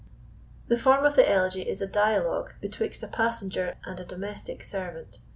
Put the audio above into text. The form of the elegy is a dialogue betwixt a passenger and a domestic servant.